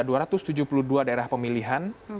dprd provinsi itu ada dua ratus tujuh puluh dua daerah pemilihan